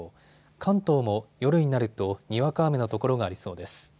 関東も夜になるとにわか雨の所がありそうです。